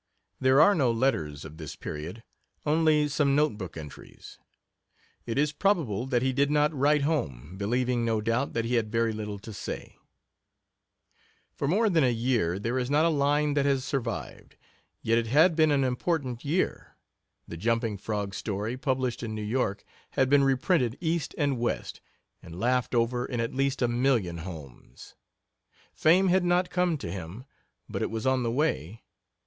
There are no letters of this period only some note book entries. It is probable that he did not write home, believing, no doubt, that he had very little to say. For more than a year there is not a line that has survived. Yet it had been an important year; the jumping frog story, published in New York, had been reprinted East and West, and laughed over in at least a million homes. Fame had not come to him, but it was on the way.